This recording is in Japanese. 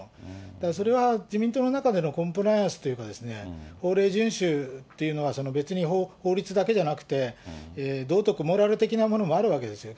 だからそれは、自民党の中でのコンプライアンスというか、法令順守っていうのは、別に法律だけじゃなくて、道徳、モラル的なものもあるわけですよ。